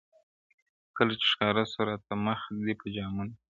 • کله چي ښکاره سو را ته مخ دي په جامونو کي..